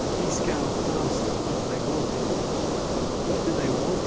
Dieskau asked what they wanted. "What do they want?"